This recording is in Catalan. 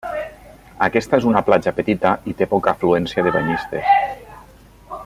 Aquesta és una platja petita i té poca afluència de banyistes.